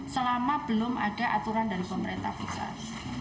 selama belum ada aturan dari pemerintah pusat